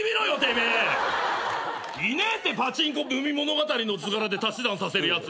いねえってパチンコ海物語の図柄で足し算させるやつ。